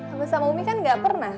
sama sama umi kan gak pernah